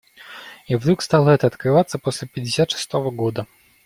И вдруг стало это открываться после пятьдесят шестого года